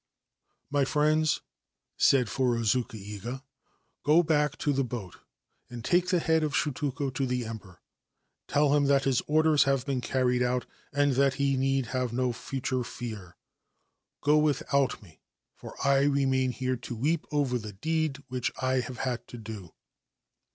* My friends,' said Furuzuka Iga, ' go back to the boat i take the head of Shutoku to the Emperor. Tell n that his orders have been carried out, and that he sd have no future fear. Go without me, for I remain re to weep over the deed which I have had to do.'